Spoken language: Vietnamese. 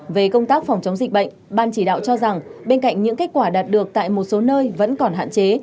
về công tác phòng chống dịch bệnh ban chỉ đạo cho rằng bên cạnh những kết quả đạt được tại một số nơi vẫn còn hạn chế